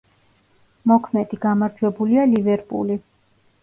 მოქმედი გამარჯვებულია „ლივერპული“.